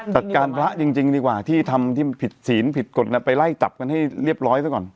จัดการพระจริงดีกว่าที่ทำที่มันผิดศีลผิดกฎกันไปไล่จับกันให้เรียบร้อยซะก่อน